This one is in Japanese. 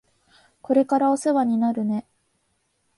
これからお世話になるね。